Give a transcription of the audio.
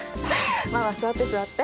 まあまあ座って座って。